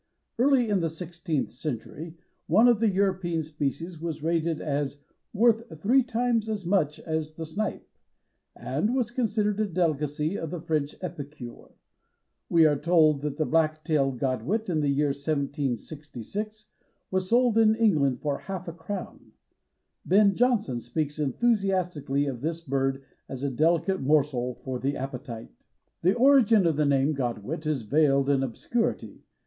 Early in the sixteenth century one of the European species was rated as "worth three times as much as the snipe," and was considered a delicacy of the French epicure. We are told that the black tailed Godwit in the year 1766 was sold in England for half a crown. Ben Jonson speaks enthusiastically of this bird as a delicate morsel for the appetite. The origin of the name Godwit is veiled in obscurity.